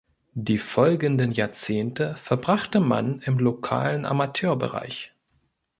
Die folgenden Jahrzehnte verbrachte man im lokalen Amateurbereich.